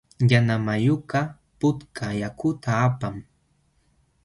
Yanamayukaq putka yakuta apan.